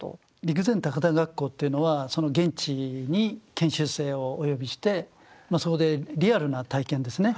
陸前高田学校というのはその現地に研修生をお呼びしてそこでリアルな体験ですね。